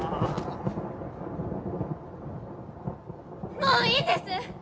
もういいんです！